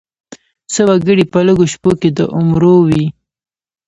څه وګړي په لږو شپو کې د عمرو وي.